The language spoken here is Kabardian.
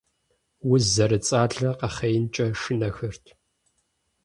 Уз зэрыцӀалэ къэхъеинкӀэ шынэхэрт.